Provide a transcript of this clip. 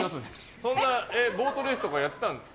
そんなにボートレースとかやってたんですか。